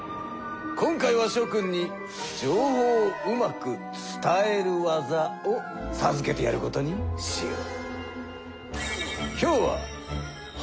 今回はしょ君に情報をうまく伝える技をさずけてやることにしよう。